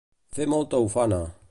Fer molta ufana.